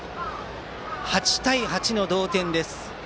８対８の同点です。